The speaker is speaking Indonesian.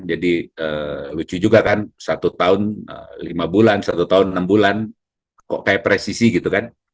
jadi lucu juga kan satu tahun lima bulan satu tahun enam bulan kok kayak presisi gitu kan